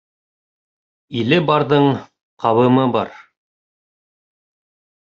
Иле барҙың ҡабымы бар.